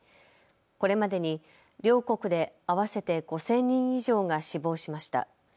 これまでに両国で合わせて５０００人以上が死亡しました。